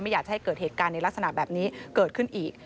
อยากจะให้เกิดเหตุการณ์ในลักษณะแบบนี้เกิดขึ้นอีก